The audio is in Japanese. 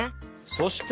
そして？